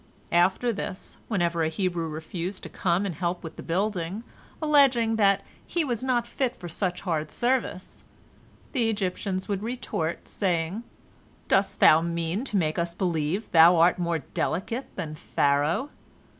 After this, whenever a Hebrew refused to come and help with the building, alleging that he was not fit for such hard service, the Egyptians would retort, saying, "Dost thou mean to make us believe thou art more delicate than Pharaoh?"